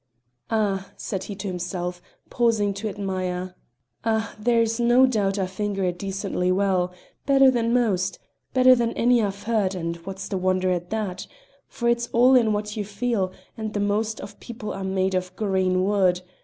"Ah!" said he to himself, pausing to admire "Ah! there's no doubt I finger it decently well better than most better than any I've heard, and what's the wonder at that? for it's all in what you feel, and the most of people are made of green wood.